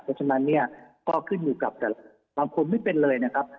เพราะฉะนั้นเนี่ยก็ขึ้นอยู่กับแต่บางคนไม่เป็นเลยนะครับ